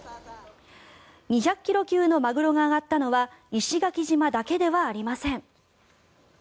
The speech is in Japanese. ２００ｋｇ級のマグロが揚がったのは石垣島だけではありません。